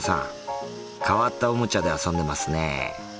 変わったオモチャで遊んでますね。